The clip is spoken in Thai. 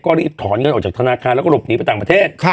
ก็รีบถอนเงินออกจากธนาคารแล้วก็หลบหนีไปต่างประเทศ